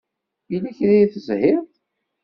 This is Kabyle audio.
Yella kra i teshiḍ?